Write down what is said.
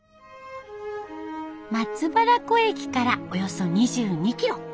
松原湖駅からおよそ２２キロ。